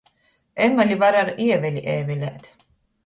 Emali var ar ēveli ēvelēt.